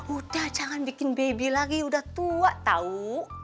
udah jangan bikin baby lagi udah tua tau